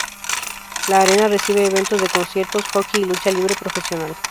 La arena recibe eventos de Conciertos, Hockey y lucha libre profesional.